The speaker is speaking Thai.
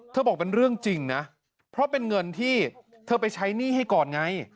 บอกเป็นเรื่องจริงนะเพราะเป็นเงินที่เธอไปใช้หนี้ให้ก่อนไง